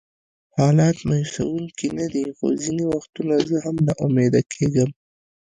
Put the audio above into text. حالات مایوسونکي نه دي، خو ځینې وختونه زه هم ناامیده کېږم.